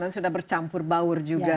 sudah bercampur baur juga